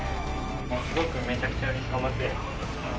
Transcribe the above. すごくめちゃくちゃうれしい。